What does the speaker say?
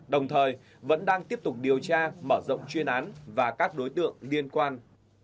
đồng thời vẫn đang tiếp tục điều tra mở rộng chuyên án và các đối tượng liên quan